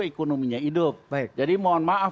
ekonominya hidup baik jadi mohon maaf